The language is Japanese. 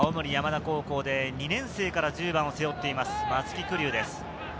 青森山田高校で２年生から１０番を背負っています、松木玖生です。